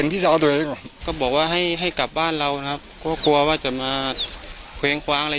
ตอนนี้เด็กทั้งสองคนก็ต้องมาเสียแม่ไป